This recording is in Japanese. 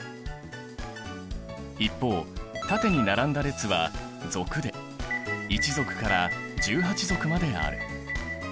一方縦に並んだ列は族で１族から１８族まである。